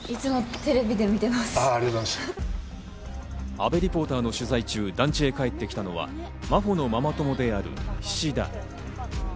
阿部リポーターの取材中、団地に帰ってきたのは真帆のママ友である菱田。